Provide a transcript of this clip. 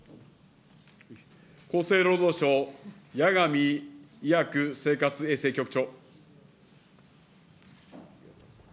厚生労働省、八神医薬・生活衛生局長。